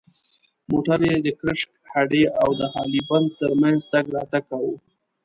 موټر یې د کرشک هډې او د هالې بند تر منځ تګ راتګ کاوه.